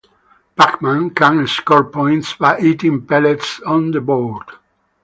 Pac-Man can score points by eating pellets on the board.